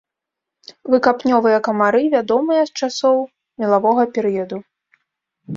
Выкапнёвыя камары вядомыя з часоў мелавога перыяду.